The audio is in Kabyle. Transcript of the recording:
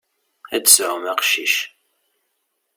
Ad d-tesɛum aqcic.